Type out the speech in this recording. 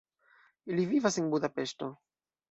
Li vivas en Budapeŝto.